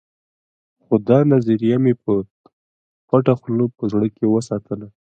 خو دا نظريه مې په پټه خوله په زړه کې وساتله.